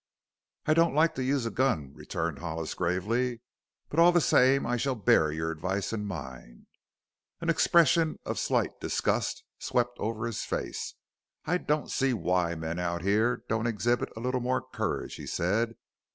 "I don't like to use a gun," returned Hollis gravely, "but all the same I shall bear your advice in mind." An expression of slight disgust swept over his face. "I don't see why men out here don't exhibit a little more courage," he said.